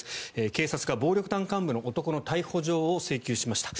警察が暴力団幹部の男の逮捕状を請求しました。